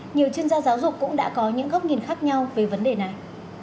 nhiều chuyên gia giáo dục cũng đã có những góc nhìn khác nhau về vấn đề này